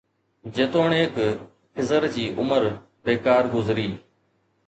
جيتوڻيڪ خضر جي عمر بيڪار گذري